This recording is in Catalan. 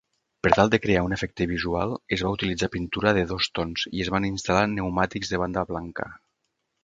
Per tal de crear un efecte visual es va utilitzar pintura de dos tons i es van instal·lar pneumàtics de banda blanca.